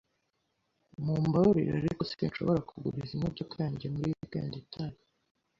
Mumbabarire ariko sinshobora kuguriza imodoka yanjye muri weekend itaha.